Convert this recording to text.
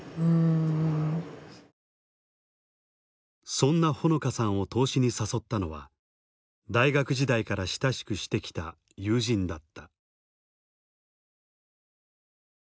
そんな穂野香さんを投資に誘ったのは大学時代から親しくしてきた友人だった。